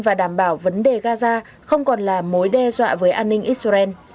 và đảm bảo vấn đề gaza không còn là mối đe dọa với an ninh israel